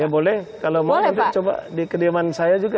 ya boleh kalau mau coba di kediaman saya juga